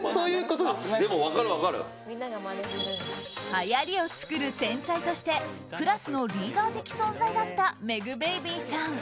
はやりを作る天才としてクラスのリーダー的存在だったｍｅｇｂａｂｙさん。